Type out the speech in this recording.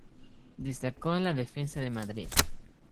Destacó en la defensa de Madrid.